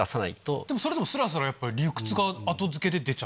でもそれでもスラスラやっぱり理屈が後付けで出ちゃう。